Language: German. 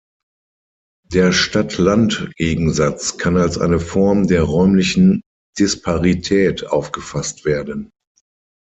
Der Stadt-Land-Gegensatz kann als eine Form der räumlichen Disparität aufgefasst werden.